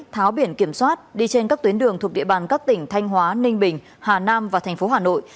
tháo biển kiểm soát đi trên các tuyến đường thuộc địa bàn các tỉnh thanh hóa ninh bình hà nam và thành phố hà nội